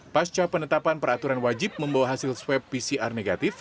pasca penetapan peraturan wajib membawa hasil swab pcr negatif